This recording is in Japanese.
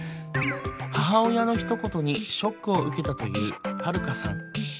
母親のひと言にショックを受けたというハルカさん。